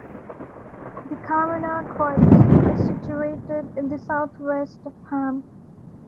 The Kamener Kreuz is situated in the southwest of Hamm.